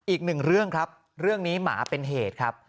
อีกหนึ่งเรื่องครับเรื่องนี้หมาเป็นเหตุครับ